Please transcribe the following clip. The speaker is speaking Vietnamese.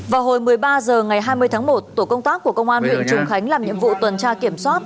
vào hồi một mươi ba h ngày hai mươi tháng một tổ công tác của công an huyện trùng khánh làm nhiệm vụ tuần tra kiểm soát